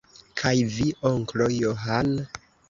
Kaj vi, onklo John?